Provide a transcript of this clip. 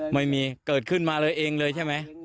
ไม่มีเกิดขึ้นมาเลยเองเลยใช่ไหม